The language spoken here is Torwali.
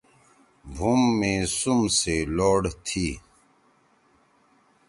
بُھوم می سُم سی لوڈ تھی۔